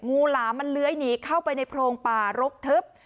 หลามมันเลื้อยหนีเข้าไปในโพรงป่ารกทึบ